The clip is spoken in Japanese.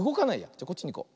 じゃあこっちにいこう。